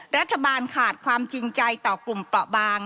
รัฐบาลขาดความจริงใจต่อกลุ่มเปราะบาง